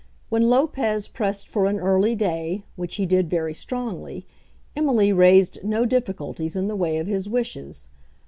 When Lopez pressed for an early day, which he did very strongly, Emily raised no difficulties in the way of his wishes.